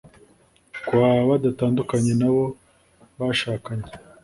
kwa batandukanye na bo bashakanye